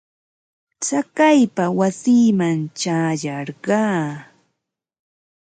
Chakaypa wasiiman ćhayarqaa.